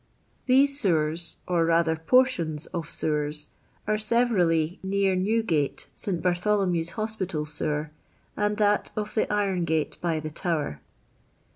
These sewers, or rather portions of sewers, are severally near Newgate, St. Bartholomew's Hospital sewer, and that of the Irongate by the Tower.